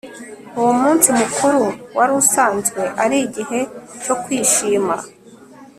uwo munsi mukuru wari usanzwe ari igihe cyo kwishima